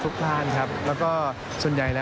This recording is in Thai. แล้วก็ส่วนใหญ่แล้วผมก็มีทั้งพี่แล้วก็เพื่อนอยู่ที่นั่นด้วย